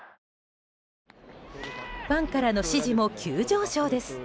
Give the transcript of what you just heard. ファンからの支持も急上昇です。